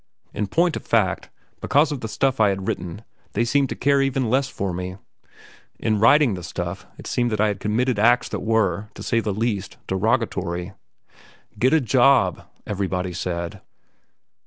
In point of fact, because of the stuff I had written they seemed to care even less for me. In writing the stuff it seemed that I had committed acts that were, to say the least, derogatory. 'Get a job,' everybody said."